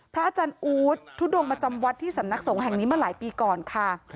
อาจารย์อู๊ดทุดงมาจำวัดที่สำนักสงฆ์แห่งนี้มาหลายปีก่อนค่ะ